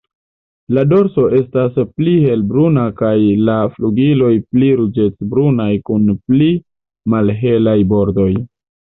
La dorso estas pli helbruna kaj la flugiloj pli ruĝecbrunaj kun pli malhelaj bordoj.